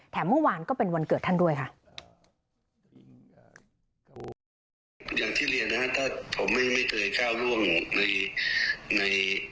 เมื่อวานก็เป็นวันเกิดท่านด้วยค่ะ